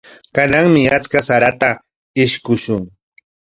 Kananmi achka sarata ishkushun.